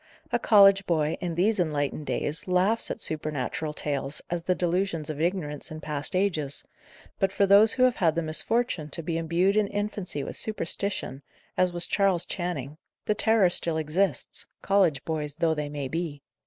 A college boy, in these enlightened days, laughs at supernatural tales as the delusions of ignorance in past ages; but for those who have had the misfortune to be imbued in infancy with superstition, as was Charles Channing, the terror still exists, college boys though they may be.